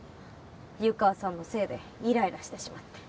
湯川さんのせいでいらいらしてしまって。